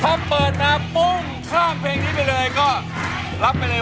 ถ้าเปิดมาปุ้งข้ามเพลงนี้ไปเลยก็รับไปเลย